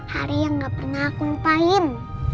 hari yang gak pernah aku lupain